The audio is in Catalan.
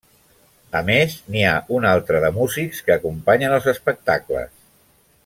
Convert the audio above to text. A més, n'hi ha una altra de músics que acompanyen els espectacles.